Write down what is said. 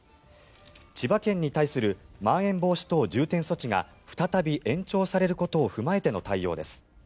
千葉県に対するまん延防止等重点措置が再び延長されることを踏まえての対応です。